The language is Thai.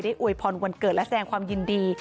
อวยพรวันเกิดและแสดงความยินดี